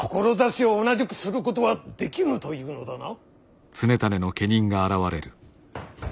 志を同じくすることはできぬというのだな。